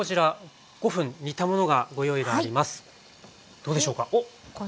どうでしょうか。